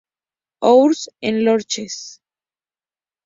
Ours, en Loches.